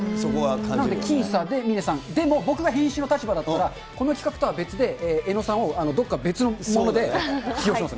だから僅差で峰さん、でも僕が編集の立場だったら、この企画とは別で、江野さんをどっか別のもので起用しますね。